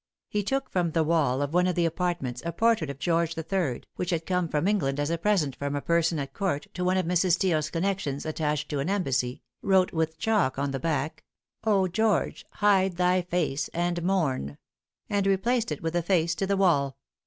He took from the wall of one of the apartments a portrait of George III., which had come from England as a present from a person at court to one of Mrs. Steele's connections attached to an embassy, wrote with chalk on the back, "O, George, hide thy face and mourn;" and replaced it with the face to the wall.